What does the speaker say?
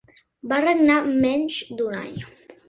Va regnar menys d'un any.